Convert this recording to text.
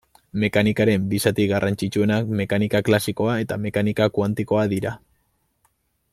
Mekanikaren bi zati garrantzitsuenak mekanika klasikoa eta mekanika kuantikoa dira.